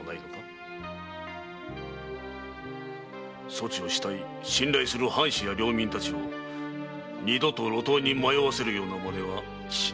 そちを慕い信頼する藩士や領民たちを二度と路頭に迷わせるような真似はしないな？